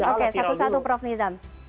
oke satu satu prof nizam